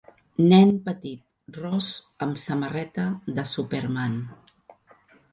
Nen petit ros amb samarreta de Superman.